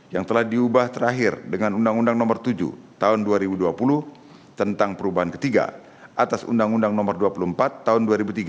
yang telah diubah terakhir dengan undang undang nomor tujuh tahun dua ribu dua puluh tentang perubahan ketiga atas undang undang nomor dua puluh empat tahun dua ribu tiga belas